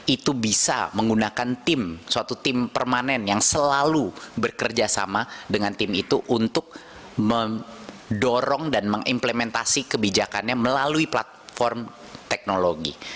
itu bisa menggunakan tim suatu tim permanen yang selalu bekerja sama dengan tim itu untuk mendorong dan mengimplementasi kebijakannya melalui platform teknologi